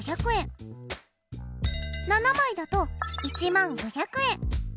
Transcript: ７枚だと１０５００円。